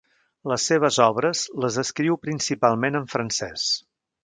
Les seves obres les escriu principalment en francès.